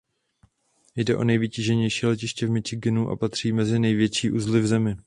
Jde o nejvytíženější letiště v Michiganu a patří mezi největší uzly v zemi.